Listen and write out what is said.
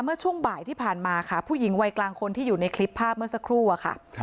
เมื่อช่วงบ่ายที่ผ่านมาค่ะผู้หญิงวัยกลางคนที่อยู่ในคลิปภาพเมื่อสักครู่อะค่ะ